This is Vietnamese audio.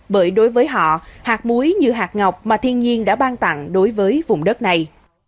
bởi đối với họ hạt muối như hạt ngọc mà thiên nhiên đã ban tặng đối với vùng đất này